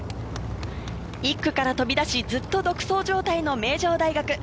１区から飛び出し、ずっと独走状態の名城大学。